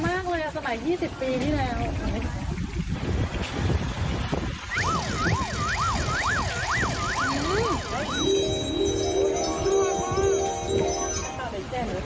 ถ้าเกิดฉันต้องเรียนบัตรก็ได้มา